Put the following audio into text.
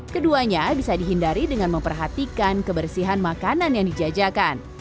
keduanya bisa dihindari dengan memperhatikan kebersihan makanan yang dijajakan